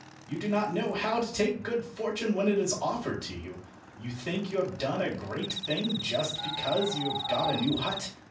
You do not know how to take good fortune when it is offered to you. You think you have done a great thing just because you have got a new hut.